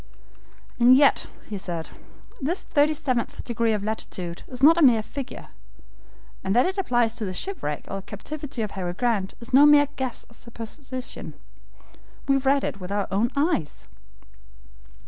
"And yet," he said, "this thirty seventh degree of latitude is not a mere figure, and that it applies to the shipwreck or captivity of Harry Grant, is no mere guess or supposition. We read it with our own eyes."